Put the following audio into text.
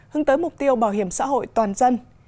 hướng tới mục tiêu bảo hiểm xã hội toàn dân